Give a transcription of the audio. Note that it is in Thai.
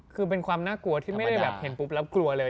คือเป็นความน่ากลัวที่ไม่ได้แบบเห็นปุ๊บแล้วกลัวเลย